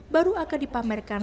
baru akan dipamerkan